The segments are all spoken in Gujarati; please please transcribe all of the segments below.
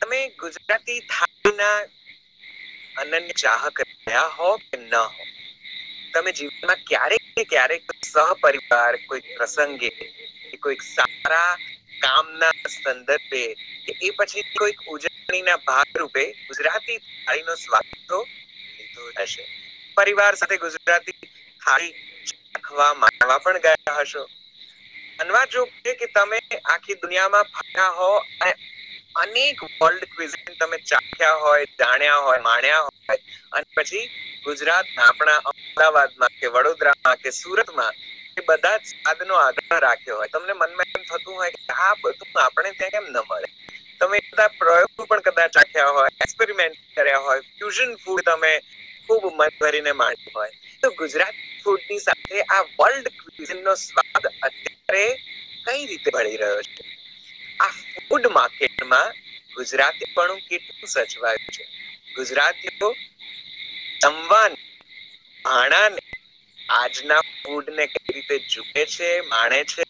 તમે ગુજરાતી થાળીના અનનને ચાહક કયા હો કે ના હો તમે જીવનમાં ક્યારેક ને ક્યારેક સહપરિવાર કોઈ પ્રસંગે કે કોઈક સારા કામ ના સંદર્ભે કે એ પછી કોઈ ઉજવણી ના ભાગરૂપે ગુજરાતી થાળી ન સ્વાદ [inaudible] પરિવાર સાથે ગુજ [inaudible] માનવા પણ ગયા હશો. બનવા જોગ છે કે તમે આખી દુનિયામાં ભયા હો અનેક વર્ડ ક્વિઝ તમે ચાખ્યા હોય, જાણ્યા હોય, માણ્યા હોય. અને પછી ગુજરાતમાં આપણા અમદાવાદમાં કે વડોદરામાં કે સુરતમાં એ બધા જ સાદ નો આધાર રાખ્યો હોય તમને મનમાં એમ થતું હોય આ બધું આપણે ત્યાં એમ ના મળે. તમે બા પ્રયોગ પણ કદાચખ્યા હોય એક્સપ્રિમેન્ટ કર્યા હોય, ફ્યુશન ફૂડ તમે ખુબ મન ભરીને મા હોય તો ગુજરાતી ફૂડની સાથે આ વર્લ્ડ [inaudible] નો સ્વાદ અત્યારે કઈ રીતે મળી રહ્યો છે? આ ફૂડ માર્કેટમાં ગુજરાતીણું કેટલું સચવાયું છે. ગુજરાતીઓ તંવાન. હણાને. આજના ફૂડ ને કઈ રીતે જુએ છે, માણે છે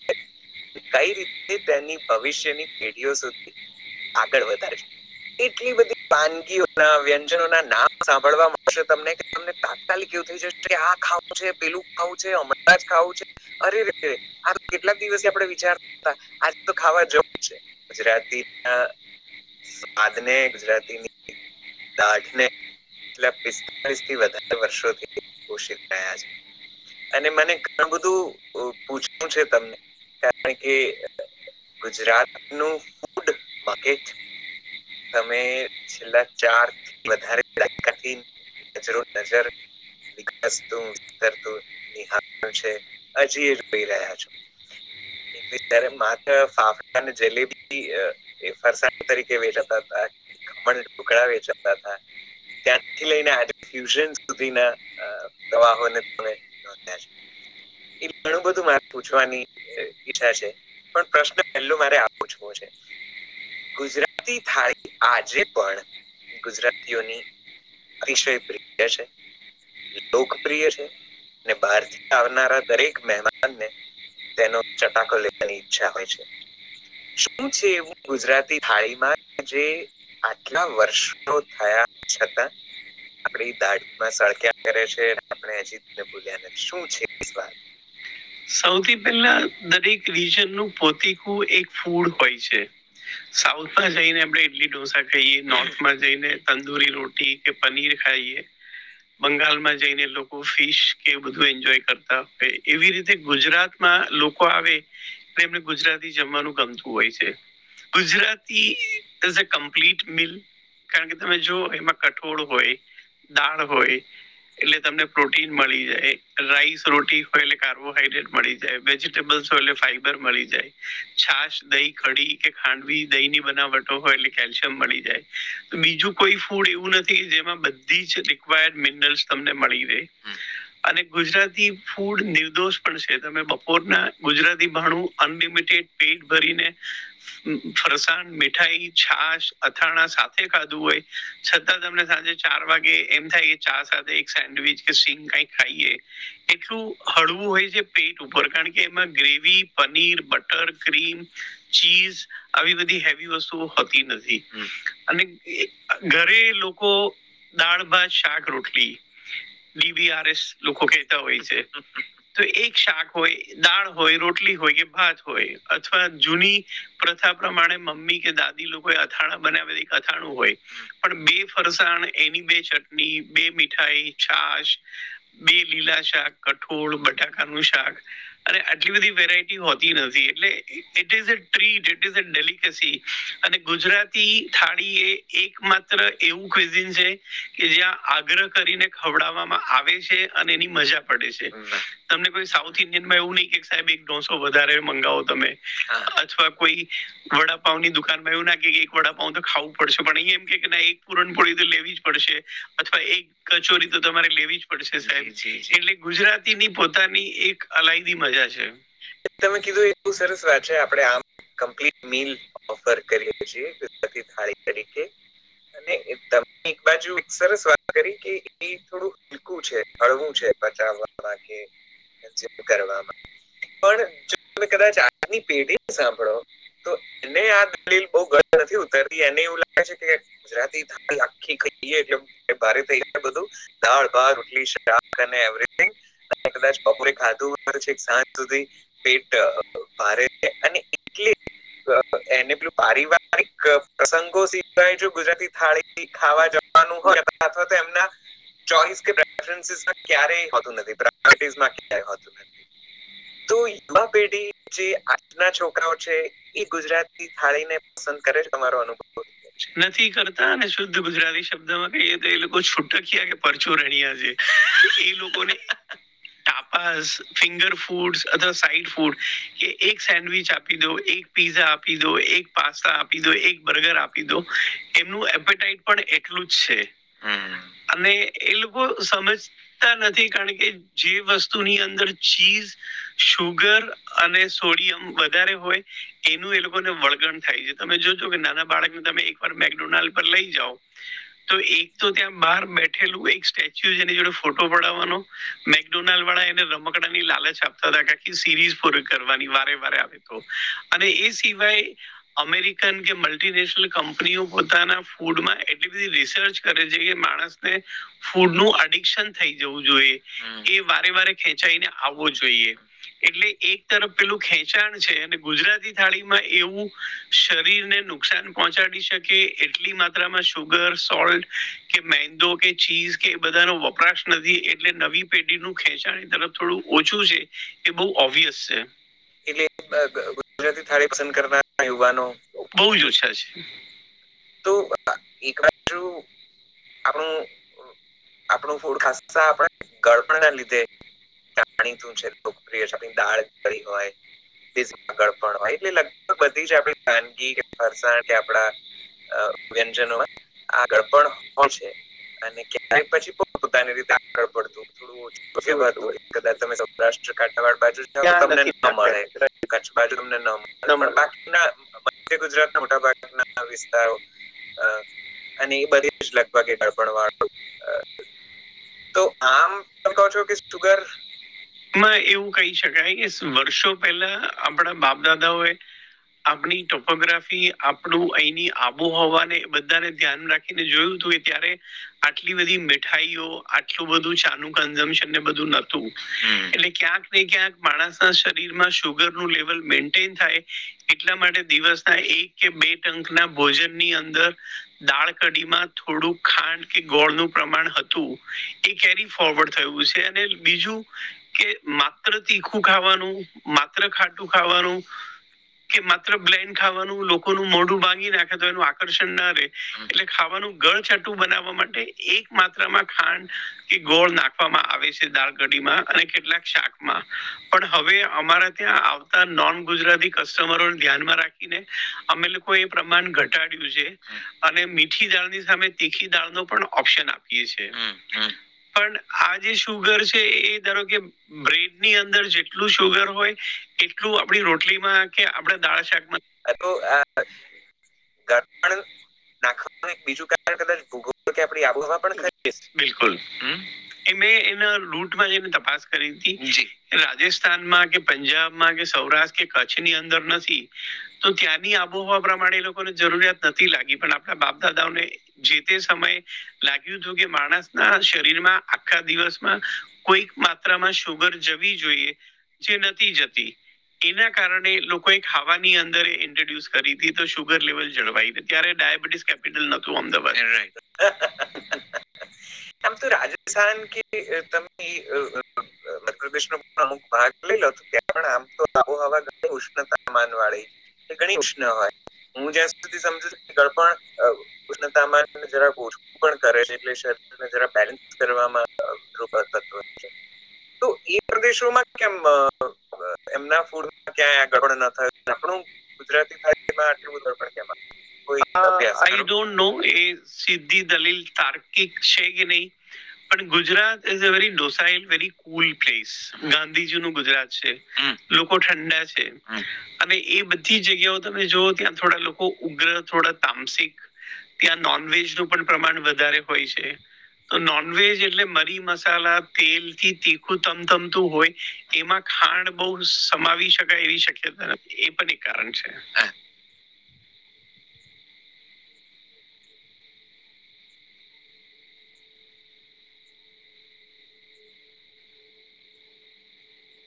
કઈ રીતે તેની ભવિષ્યની પેઢીઓ સુધી આગળ વધારે છે? એટલી બધી વાનગીઓના, વ્યંજનોના નામ સાંભળવા મળશે તમને કે તમને તાત્કાલિક એવું થઈ જશે કે આ ખાવું છે, પેલું ખાવું છે, હમણાં જ ખાવું છે અરે રે રે આ કેટલાક દિવસે આપણે વિચારતા હતા આજે તો ખાવા જવું છે. ગુજરાતી ના સ્વાદને ગુજરાતીની દાનેટ ને પિસ્તાળસ થી વધારે વર્ષોથીષિત રહ્યા છે. એને મને ઘણું બધું પૂછવું છે તમને કારણ કે ગુજરાત નું ફૂડ માકેટ તમે છેલ્લા ચારથી વધારે [inaudible] જરો નજર [inaudible] છે, હજી જોઈ રહ્યા છો. એટલે જ માત્ર ફાફડા અને જલેબી ફરસાણ તરીકે વેલા ખમણ, ટુકડા વેચવા તા. ત્યાંથી લઈને આફ્યુઝન સુધીના પ્રવાહોને તમે એ ઘણું બધું મારે પૂછવાની ઈચ્છા છે. પણ પ્રશ્ન પેલો મારે આ પૂછવો છે, ગુજરાત થાળ આજે પણ ગુજરાતીઓની ઈશય પ્રિય છે. લોકપ્રિય છે અને બહારથી આવનારા દરેક મહેમાનને તેનો ચટાકો લેવાની ઈચ્છા હોય છે. શું છે એવું ગુજરાતી થાળીમાં જે આટલા વર્ષો થયા છતાં આપ દાઢમાં સળક્યા કરે છે આપણે હજીને ભૂલ્યા ન શું છે [unintelligible] સૌથી પહેલા દરેક રીજનનું પોતકું એક ફૂડ હોય છે. સાઉથમાં જઈને આપણે ઇડલી ઢોસા ખાઈએ, નોર્થમાં જઈને તંદુરી રોટી કે પનીર ખાઈએ. બંગાળમાં જઈને લોકો ફિશ કે બધું એન્જોય કરતા હોય એવી રીત જે ગુજરાતમાં લોકો આવે તો એમને ગુજરાતી જમવાનું ગમતું હોય છે. Gujarati is a complete meal. કારણ કે તમે જો એમાં કઠોળ હોય દાળ હોય એટલે તમને પ્રોટીન મળી જાય રાઈસ રોટી હોય એટલે કાર ર્બોહાઈડ્રેટ મળી જાય, વેજીિટેબલ્સલે ફાઈબર મળી જાય. છાશ દહી કડી કે ખાંડવી દહી ની બનાવટો હોય એટલે કેલ્શિયમ મળી જાય. બીજું કોઈ ફૂડ એવું નથી કે જેમાં બધી જ રિકવાયર્ડ મિનરલ્સ તમને મળી રહે. અને ગુજરાતી ફૂડ દી દોષ પણ છે તમે બપોરના ગુજરાતી ભાણું અનલિમિટેડ પેટ ભરીને ફરસાણ, મીઠાઈ, છાસ, અથાણા સાથે ખાધું હોય છતાં તમને સાંજે ચાર વાગે એમ થાય કે ચા સાથે એક સેન્ડવીચ કે સિંગ કઈ ખાઈએ એટલું હળું હોય છે પેટ ઉપર કારણ કે એમાં gravy, paneer, butter cream, cheese આવી બધી હેવી વસ્તુઓ હોતી નથી અને એ ઘરે લોકો દાળ-ભાત, શાક-રોટલી ડીવીઆર એસ લોકો કેહેતા હોય છે. તો એક શાક હોય, દાળ હોય, રોટલી હોય કે ભાત હોય અથવા જૂની પ્રથા પ્રમાણે મમ્મી કે દાદી લોકોએ અથાણા બનાવ્યા અથાણું હોય. પણ બે ફરસાણ એની બે ચટણી, બે મીઠાઈ, છાશ બે લીલા શાક, કઠોળ, બટાકાનું શાક. અને આટલી બધી વેરાયટી હોતી નથી એટલે it is tree is delicacy અને ગુજરાતી થાળી એ એક માત્ર એવું ક્વિઝિન છે. કે જ્યાં આગ્રહ કરીને ખવડાવવામાં આવે છે અને એની મજા પડે છે. તમને કોઈ સાઉથ ઇન્ડિયનમાં એવું નહી કે સાહેબ એક દોસો વધારે મંગાવો તમે અથવા કોઈ વડાપાવઉની દુકાનમાં એવ નાકે કે એક વડાપાવ તો ખાવું જ પડશે પણ અહીં એમ કે એક પુરણપોળી તો લેવી જ પડશે. અથવા એક કચોરી તો તમારે લેવી જ પડશે સાહેબ એટલે ગુજરાતીની પોતાની એક અલાયદી મજા છે. તમે કીધું એ બહુ સરસ વાત છે આપડે આમ કમ્પ્લિટ મિલ ઓફર કરીએ છીએ ગુજરાતી થાળી તરીકે. અને તમે એક બાજુ એક સરસ વાત કરી કે એ થોડું [unintelligible] છે હળવું છે પચાવામા કે [inaudible] પણ જો તમેં કદાચ આજની પેઢીને સાંભળો. [unintelligible] ગુજરાતી થાળી આખી ખઇએ એટલે ભારે થઈ જાય બધું. દાળ-ભાત, રોટલી-શાક અને. [unintelligible] કદાચ બપોરે ખાધું પછી સાંજ સુધી પેટ ભારે છે અને એટલી એને પેલું પારિવારિક પ્રસંગો શીખવાય છે ગુજરાતી થાળી ખાવા જવાનું હોય અથવા તો એમના [unintelligible] ક્યારેય હોતું નથી. [unintelligible] તો યુવા પેઢી જે આજના છોકરાઓ છે. એ ગુજરાતી થાળીને પસંદ કરે છે તમારો અનુભવ નથી કરતા ને શુદ્ધ ગુજરાતી શબ્દમાં કહીએ તો એ લોકો છૂટક્યા કે પરચોરણ્યા છેે. [inaudible] [unintelligible] ફિંગર ફૂડ અથવા સાઈટ ફૂડ કે એક સેન્ડવીચ આપી દઉં એ પીઝા આપીદો, એક પાસ્તા આપીદો, એક બર્ગર આપ પીદો એમનું એપેટાઈટ પણ એટલું જ છે. હમ્મ અને એ લોકો સમજ નથી કારણ કે જે વસ્તુ ની અંદર ચીજ સુુગર અને સોડિયમ વધારે હોય. એનું એ લોકોને વળગણ થાય છે તમે જોજો કે નાના બાળકને તમે એકવાર મેકડોનાલ્ડ પર લઈ જાઓ. તો એક તો ત્યાં બહાર બેઠેલું એક સ્ટેચ્યુ જેની જોડે ફોટો પડાવવાનો મે ડોનાલ્ડ વાળા એને રમકડાની લાલચ આપતા હતા આખી સિરીઝ પૂરી કરવાની વારે વારે આવે. તો અને એ સિવાય અમેરિકન કે મલ ટીનેશનલ કંપનીઓ પોતાના ફૂડમાં એટલી બધી રિસર્ચ કરે છે કે માણસને ફૂડનું અડિકશન થઈ જવું જોઈએ એ વારે વારે ખેંચાઈને આવવો જોઈએ. એટલે એક તરફ પેલું ખેંચાણ છે અને ગુજરાતી થાળીમાં એવું શરીરને નું નુકસાન પહોંચાડી શકે એટલી માત્રામાં સુુગર સોલ્ટ કે મેંદો કે ચીઝ કે એ બધા નો વપરાશ નથી એટલે નવી પેઢી નું ખેંચાણી તરફ થોડું ઓછું છે. એ બહુ ઓબ્વિયસ છે. એટલે અ બ અહ ગુજરાતી થાળી પસંદ કરના યુવાનો બહુ જ ઓછા છે. તો આ એકાદ જો આપણું અહ આપણું ફૂડ ખાસ આપણે ઘળપ ના લીધે તા માનીતું છે લોકપ્રિય છે આ દાળ કરી હોય ફીસ ગળ પણ હોય એટલે લગભગ બધી જ આપડી ખાનગી કે ફરસાણ કે આપડા અહ વ્યંજનોમાં આગળ પણ હો છે. અને ક્યારેય પછી પો પોતાની રીતે આગળ પડતું થોડું તો સેમાં તું હોય કદાચ તમે સૌરાષ્ટ કાઠિયાવાડી બાજુ તમને ના મળે કછ બાજુમને ન બાકીના મધ્ય ગુજરાત ના મોટા ભાગ ના તા ઓ અહ અને એ બધી જ લગભગ અડપણ વાળું અહ તો આમ પણ કો છો કે સુગર મ એવું કહી શકાય કે વર્ષો પહેલા આપણા બાપ દાદાઓ એ આપણી ટોપોગ્રાફી આપડું અહીની આબોહવાને બધાને ધ્યાન રાખ કે તે ને જોયું તું એ ત્યારે આટલી બધી મીઠાઈઓ આટલું બધું સાનું કન્જમશન ને બધું નતું. એટલે ક્યાંક ને ક્યાંક માણસ ના શરીર માં શુગર નું લેવલ મેન્ટેન થાય એટલા માટે દિવસના એક કે બે ટંકના ભોજન ની અંદર દાળ કઢીમાં થોડું ખાંડ કે ગોળનું પ્રમાણ હતું એક કેરી ફોરવર્ડ થયું છે અને બીજું કે માત્ર તીખું ખાવાનું માત્ર ખાટું ખાવાનું કે માત્ર બ્લેન ખાવાનું લોકોનું મોઢું બાંગી નાખે તો એનું આકર્ષણ ના રે. એટલે ખાવાનું ગળ છાટું બનાવવા માટે એક માત્રામાં ખાંડ કે ગોળ નાખ આપવામાં આવે છે દાળ ઘડી માં અને કેટલાક શાકમાં. પણ હવે અમારા ત્યાં આવતા નોન ગુજરાતી કસ્ટમરોને ધ્યાનમાં રાખ ખીને અમે લોકો એ પ્રમાણ ઘટાડ્યું છે. અને મીઠી દાળની સામે તીખી દાળ નો પણ ઓપ્શન આપીએ છે. પણ આ જે શુગર છે એ ધારો કે બ્રેડ ની અંદર જેટલું સુુગર હોય એટલું આપડી રોટલીમાં કે આપડા દાળા શાકમાં ગા તો આ ગાત પાન નાખનું બીજું કારણ કદાચ ભોગવવા કે આપ આબોહવા પણ કરી બિલકુલ એ મેં એના રૂટ માં જે તપાસ કરી તી એ રાજસ્થાનમાં કે પંજાબમાં કે સૌરાષ્ટ્ર કે કચ્છ ની અંદર નથી તો ત્યાંની આબોહવા પ્રમાણે એ લોકોને જરૂરિયાત નથી લાગી પણ આપણા બાપદાદાઓને જે તે સમયે લાગ્યું હતું કે માણસ ના શરીર માં આખા દિવસમાં કોઈક માત્રામાં શુગર જવી જોઈએ જે નથી જતી એના કારણે લોકોએ ખાવાની અંદર ઇન્ટ્રોડ્યુસ કરી હતી તો શુગર લેવલ જળવાઈ દીધ ત્યારે ડાયાબિટીસ કેપિટલ નહોતુ અમદાવાદ હા આમ તો રાજસ્થાન કે તમે અ અ મ અમુક ભાગ લઈલો ત્યાં પણ આમ તો આબોહવા ઉષ્ણતામાન વાળી ઘણી ઉષ્ણ હોય હું જ્યાં સુધી સમજુ છું ગળપણ ઉષ્ણ તાપમાન જરા ઓછું પણ કરે છે એટલે શરીરને જરાક બેલેન્સ કરવામાં તો એ પ્રદેશોમાં કેમ એમના ફૂડ ક્યા ગડપણ ન થય આપણું ગુજરાતી થાળીમાં આટલુ ગડપણ કેમ આયુ કોઈ [inaudible] યુ ડોન્ટ નોનો એ સીધી દલીલ તાર્કિક છે કે નહી? પણ Gujarat is a very docile very cool place. ગાંધીજીનું ગુજરાત છે. લોકો ઠંડા છે અને એ બધા બી જગ્યાઓ તમે જોઓ ત્યાં થોડા લોકો ઉગ્ર થોડા તામસિક ત્યાં નોનવેજનું પણ પ્રમાણ વધારે હોય છે. નોનવેજ એટલે મરી મસાલા તેલથી તીખું તમધમતું હોય, એમાં ખાંડ બહુ સમાવી શકાય એવી શક્યતા એ પણ એક કારણ છે.